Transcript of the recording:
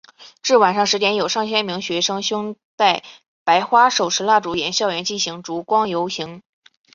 至晚上十点有上千名学生胸带白花手持蜡烛沿校园进行烛光游行。